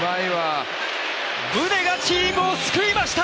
宗がチームを救いました！